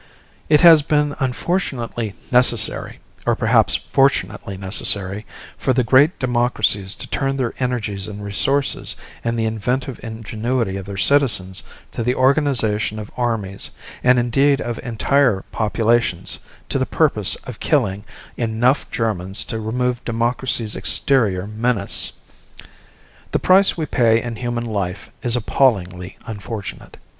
It has been unfortunately necessary or perhaps fortunately necessary for the great democracies to turn their energies and resources and the inventive ingenuity of their citizens to the organization of armies and indeed of entire populations to the purpose of killing enough Germans to remove democracy's exterior menace. The price we pay in human life is appallingly unfortunate.